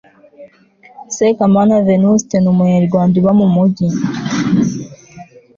SEKAMANA Venuste Umunyarwanda uba mu mujyi